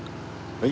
はい。